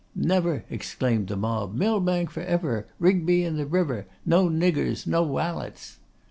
'Never!' exclaimed the mob. 'Millbank for ever! Rigby in the river! No niggers, no walets!